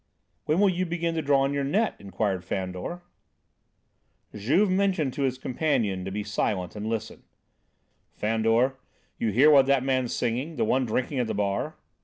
"When will you begin to draw in your net?" inquired Fandor. Juve motioned to his companion to be silent and listen. "Fandor, you hear what that man's singing; the one drinking at the bar?"